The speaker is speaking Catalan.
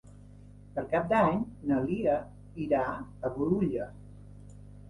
Per Cap d'Any na Lia irà a Bolulla.